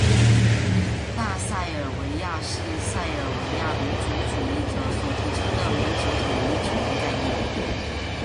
大塞尔维亚是塞尔维亚民族主义者所提出的民族统一主义概念。